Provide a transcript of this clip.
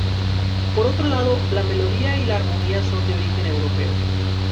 Por otro lado la melodía y la armonía son de origen europeo.